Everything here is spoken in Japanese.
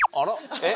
えっ？